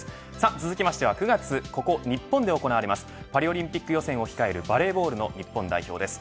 続きましては９月、ここ日本で行われますパリオリンピック予選を控えるバレーボールの日本代表です。